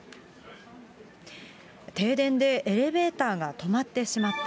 停電でエレベーターが止まってしまった。